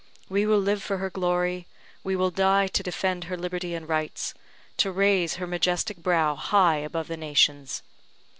We will live for her glory we will die to defend her liberty and rights to raise her majestic brow high above the nations!"